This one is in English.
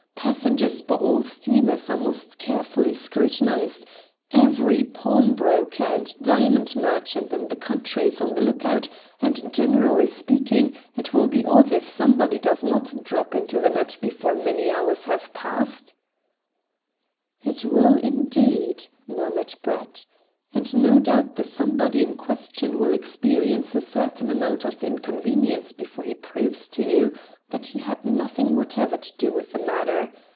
Passengers by all steamers are most carefully scrutinised. Every pawnbroker and diamond merchant in the country is on the look out, and, generally speaking, it will be odd if somebody does not drop into the net before many hours have passed." "It will, indeed," murmured Brett; "and no doubt the somebody in question will experience a certain amount of inconvenience before he proves to you that he had nothing whatever to do with the matter.